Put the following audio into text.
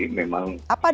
apa dua perusahaan